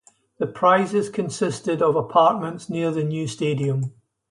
The prizes consisted of apartments near the new stadium.